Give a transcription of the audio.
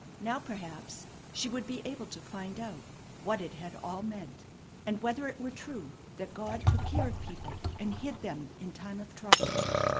Now perhaps she would be able to find out what it all had meant, and whether it were true that God took care of people and hid them in time of trouble.